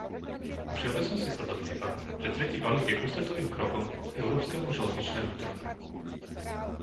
Vo všeobecnosti sa domnievam, že tretí balík je ústretovým krokom k európskemu železničnému trhu.